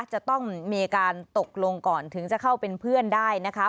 จะต้องมีการตกลงก่อนถึงจะเข้าเป็นเพื่อนได้นะคะ